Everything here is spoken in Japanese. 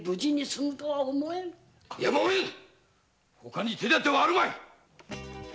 やむをえぬほかに手だてはあるまい。